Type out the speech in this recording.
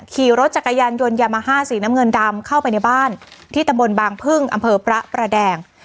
ขี่รถจักรยานยนต์ยามาฮ่าสีน้ำเงินดำเข้าไปในบ้านที่ตะบนบางพึ่งอำเภอพระประแดง